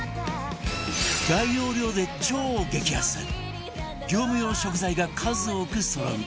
大容量で超激安業務用食材が数多くそろう